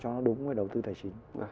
cho nó đúng với đầu tư tài chính